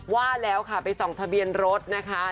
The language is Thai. ว่าแล้วค่ะไปส่องทะเบียนรถนะคะ